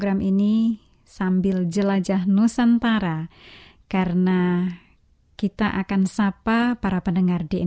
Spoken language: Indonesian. hanya dia satu satunya ala sungguh baik